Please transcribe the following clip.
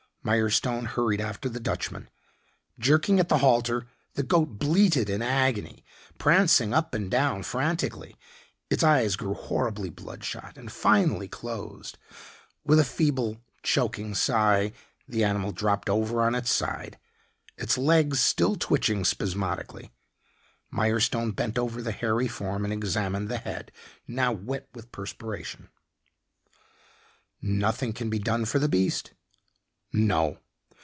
Mirestone hurried after the Dutchman. Jerking at the halter the goat bleated in agony, prancing up and down frantically. Its eyes grew horribly bloodshot and finally closed. With a feeble, choking sigh, the animal dropped over on its side, its legs still twitching spasmodically. Mirestone bent over the hairy form and examined the head, now wet with perspiration. "Nothing can be done for the beast?" "No."